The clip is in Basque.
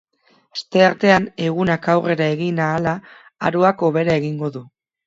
Asteartean, egunak aurrera egin ahala aroak hobera egingo du.